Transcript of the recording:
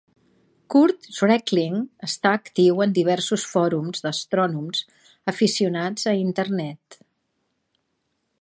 Kurt Schreckling està actiu en diversos fòrums d'astrònoms aficionats a internet.